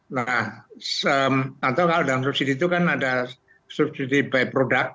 nah atau kalau dalam subsidi itu kan ada subsidi by product